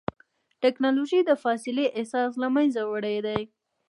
ټکنالوجي د فاصلې احساس له منځه وړی دی.